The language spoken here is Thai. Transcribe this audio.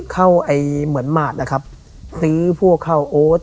ไอ้เหมือนหมาดนะครับซื้อพวกเข้าโอ๊ต